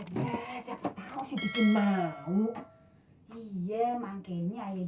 iya dah yang penting komisinya raya